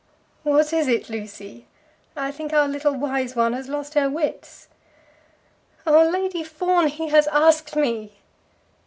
"What is it, Lucy? I think our little wise one has lost her wits." "Oh, Lady Fawn, he has asked me!"